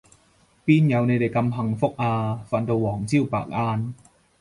邊有你哋咁幸福啊，瞓到黃朝白晏